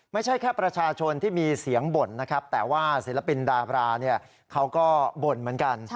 ไม่ใช่แค่ประชาชนที่มีเสียงบ่นนะครับแต่ว่าศิลปินดาบราเขาก็บ่นเหมือนกัน